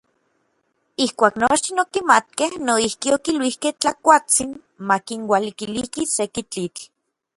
Ijkuak nochtin okimatkej, noijki okiluikej Tlakuatsin makinualikiliki seki tlitl.